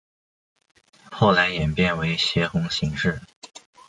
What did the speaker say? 后来演变为斜红型式。